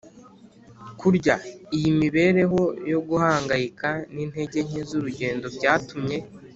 kurya. iyi mibereho yo guhangayika n'intege nke z'urugendo byatumye